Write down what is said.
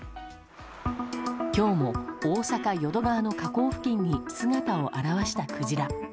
今日も大阪・淀川の河口付近に姿を現したクジラ。